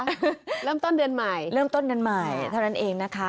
เริ่มต้นเดือนใหม่เริ่มต้นเดือนใหม่เท่านั้นเองนะคะ